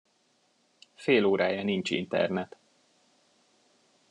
Fél órája nincs internet.